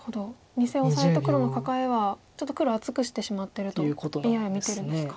２線オサエと黒のカカエはちょっと黒を厚くしてしまってるとＡＩは見てるんですか。